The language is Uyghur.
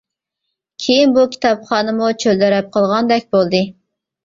كېيىن بۇ كىتابخانىمۇ چۆلدەرەپ قالغاندەك بولدى.